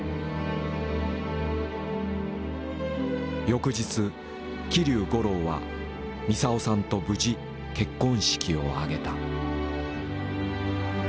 翌日桐生五郎はみさをさんと無事結婚式を挙げた。